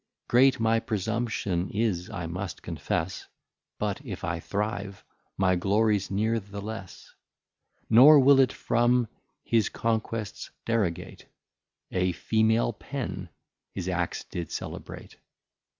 Great my presumption is, I must confess, But if I thrive, my Glory's ne're the less; Nor will it from his Conquests derogate A Female Pen his Acts did celebrate.